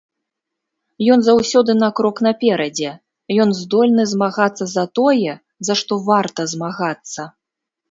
Ён заўсёды на крок наперадзе, ён здольны змагацца за тое, за што варта змагацца.